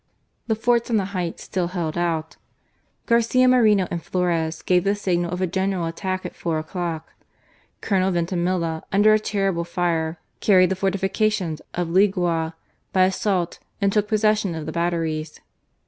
The forts on the heights still held out. Garcia Moreno and Flores gave the signal of a general attack at four o'clock. Colonel Vintimilla, under a terrible fire, carried the fortifications of Legua by assault and took possession of the batteries.